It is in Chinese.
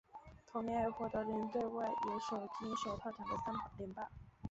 同年也获得了年度外野手金手套奖的三连霸。